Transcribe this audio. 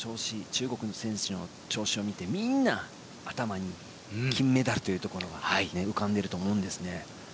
中国の選手の調子を見てみんな頭に金メダルというところは浮かんでいると思います。